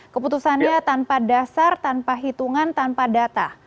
keputusannya tanpa dasar tanpa hitungan tanpa data